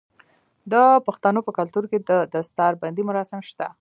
د پښتنو په کلتور کې د دستار بندی مراسم شته.